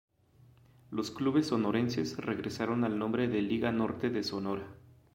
Los clubes sonorenses regresaron al nombre de "Liga Norte de Sonora".